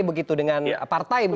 begitu dengan partai